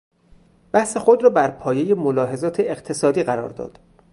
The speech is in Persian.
بحث خود را بر پایهی ملاحظات اقتصادی قرار داد.